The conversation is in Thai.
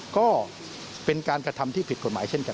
ก็เป็นการกระทำที่ผิดกฎหมายเช่นกัน